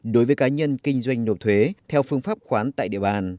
đối với cá nhân kinh doanh nộp thuế theo phương pháp khoán tại địa bàn